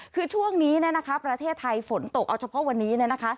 คือช่วงนี้นะครับประเทศไทยฝนตกเอาเฉพาะวันนี้นะคะ